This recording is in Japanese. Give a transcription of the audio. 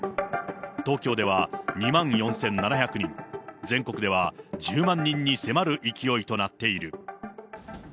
東京では２万４７００人、全国では１０万人に迫る勢いとなっている。